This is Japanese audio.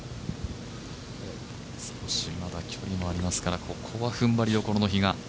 少しまだ距離もありますからここは踏ん張りどころの比嘉。